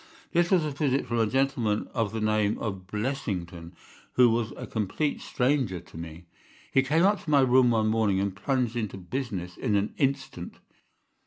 "This was a visit from a gentleman of the name of Blessington, who was a complete stranger to me. He came up to my room one morning, and plunged into business in an instant.